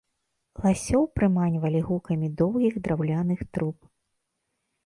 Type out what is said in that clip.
Ласёў прыманьвалі гукамі доўгіх драўляных труб.